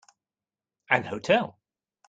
An hotel.